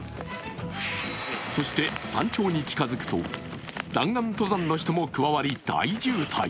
そして、山頂に近づくと弾丸登山の人も加わり大渋滞。